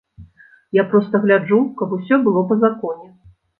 Я проста гляджу, каб усё было па законе.